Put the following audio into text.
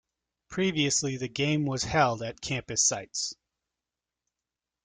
Previously the game was held at campus sites.